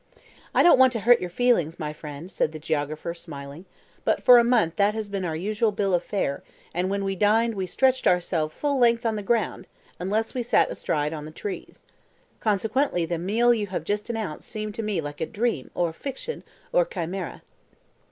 "I don't want to hurt your feelings, my friend," said the geographer smiling. "But for a month that has been our usual bill of fare, and when we dined we stretched ourselves full length on the ground, unless we sat astride on the trees. Consequently, the meal you have just announced seemed to me like a dream, or fiction, or chimera."